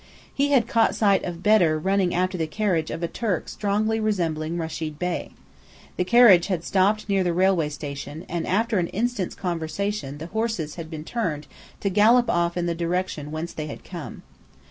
He had caught sight of Bedr running after the carriage of a Turk strongly resembling Rechid Bey. The carriage had stopped near the railway station; and after an instant's conversation the horses had been turned to gallop off in the direction whence they had come.